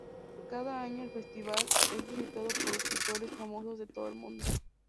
Cada año, el festival es visitado por escritores famosos de todo el mundo.